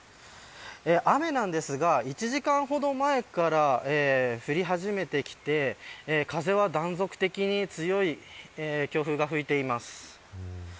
雨なんですが、１時間ほど前から降り始めてきて風は断続的に強い強風が吹いています。